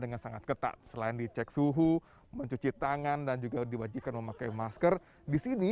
dengan sangat ketat selain dicek suhu mencuci tangan dan juga dibajikan memakai masker disini